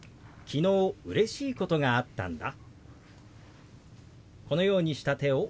「昨日うれしいことがあったんだ」。